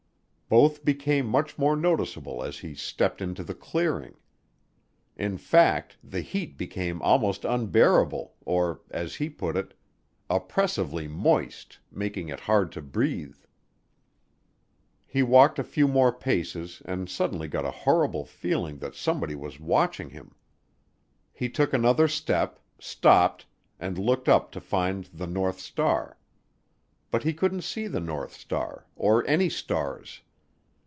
Both became much more noticeable as he stepped into the clearing. In fact, the heat became almost unbearable or, as he put it, "oppressively moist, making it hard to breathe." He walked a few more paces and suddenly got a horrible feeling that somebody was watching him. He took another step, stopped, and looked up to find the north star. But he couldn't see the north star, or any stars.